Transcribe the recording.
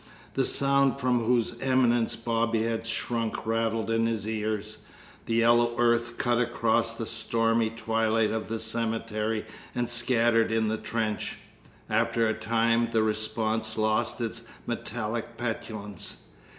The sound from whose imminence Bobby had shrunk rattled in his ears. The yellow earth cut across the stormy twilight of the cemetery and scattered in the trench. After a time the response lost its metallic petulance.